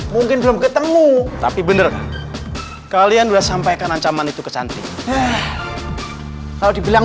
mungkin belum ketemu tapi bener kalian udah sampaikan ancaman itu kecantik kalau dibilang